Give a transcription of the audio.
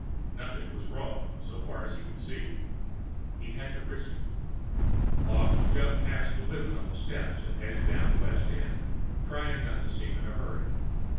Nothing was wrong, so far as he could see. He had to risk it. Hawkes shoved past the women on the steps and headed down West End, trying not to seem in a hurry.